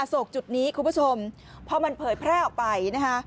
โศกจุดนี้คุณผู้ชมพอมันเผยแพร่ออกไปนะคะ